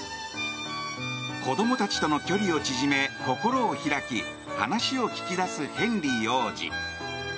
子供たちとの距離を縮め心を開き、話を聞き出すヘンリー王子。